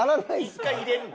１回入れるな。